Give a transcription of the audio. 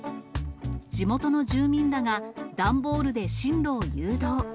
地元の住民らが、段ボールで進路を誘導。